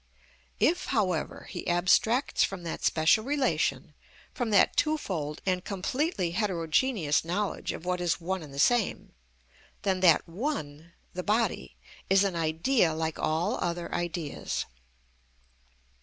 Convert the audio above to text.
If, however, he abstracts from that special relation, from that twofold and completely heterogeneous knowledge of what is one and the same, then that one, the body, is an idea like all other ideas.